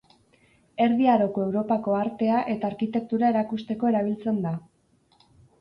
Erdi Aroko Europako artea eta arkitektura erakusteko erabiltzen da.